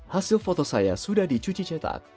hasil foto saya sudah dicuci cetak